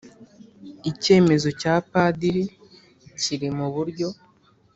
icyemezo cya padiri kiri muburyo